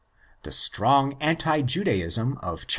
The strong anti Judaism of 11].